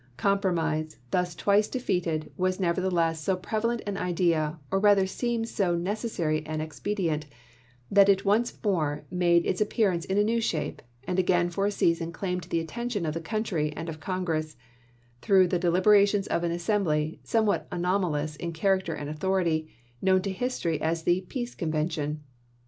Compromise, thns twice defeated, was neverthe less so prevalent an idea, or rather seemed so neces sary an expedient, that it once more made its appearance in a new shape, and again for a season claimed the attention of the country and of Con gress, through the deliberations of an assembly, somewhat anomalous in character and authority, known to history as the " Peace Convention."